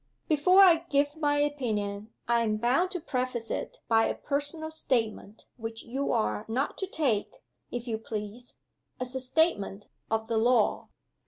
"Before I give my opinion I am bound to preface it by a personal statement which you are not to take, if you please, as a statement of the law.